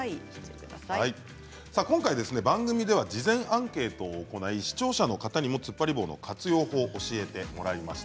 今回、番組では事前アンケートを行い視聴者の方にも、つっぱり棒の活用法を教えてもらいました。